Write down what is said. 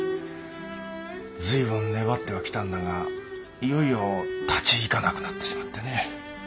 随分粘ってはきたんだがいよいよ立ち行かなくなってしまってね。